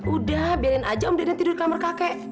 udah biarin aja om dede tidur di kamar kakek